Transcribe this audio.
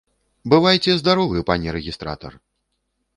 Бывайце здаровы, пане рэгістратар!